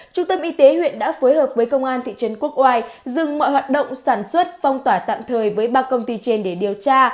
trung tâm y tế huyện đã phối hợp với công an thị trấn quốc oai dừng mọi hoạt động sản xuất phong tỏa tạm thời với ba công ty trên để điều tra